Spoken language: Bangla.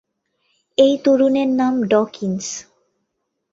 এই তরুণের নাম ডকিন্স।